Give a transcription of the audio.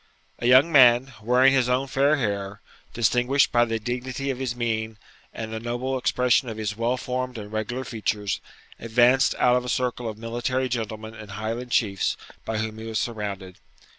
A young man, wearing his own fair hair, distinguished by the dignity of his mien and the noble expression of his well formed and regular features, advanced out of a circle of military gentlemen and Highland chiefs by whom he was surrounded.